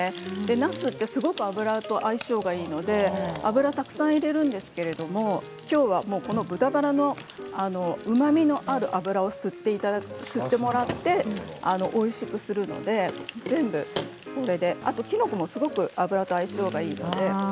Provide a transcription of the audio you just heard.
なすは油とすごく相性がいいので油をたくさん入れるんですがきょうは豚バラのうまみのある脂を吸ってもらっておいしくするのであと、きのこも油とすごく相性がいいです。